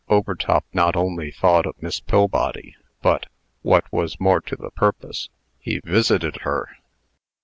Overtop not only thought of Miss Pillbody, but, what was more to the purpose, he visited her.